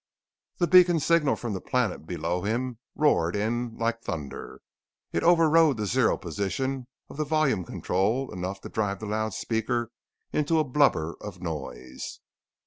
The beacon signal from the planet below him roared in like thunder. It overrode the 'zero' position of the volume control enough to drive the loudspeaker into a blubber of noise.